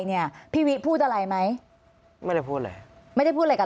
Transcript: เนี่ยพี่วิพูดอะไรไหมไม่ได้พูดเลยไม่ได้พูดอะไรกัน